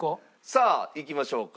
さあいきましょうか。